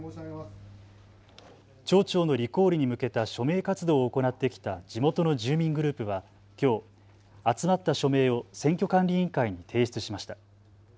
町長のリコールに向けた署名活動を行ってきた地元の住民グループはきょう集まった署名を選挙管理委員会に提出しました。